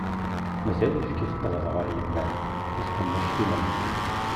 Mazal ayefki teṭṭḍeḍ ɣur yemma-m di tqemmuct-inem.